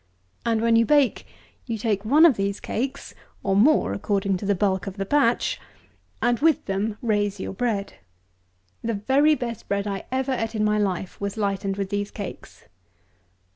And, when you bake, you take one of these cakes (or more according to the bulk of the batch) and with them raise your bread. The very best bread I ever ate in my life was lightened with these cakes.